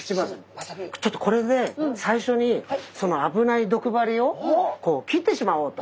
ちょっとこれで最初にその危ない毒針をこう切ってしまおうと。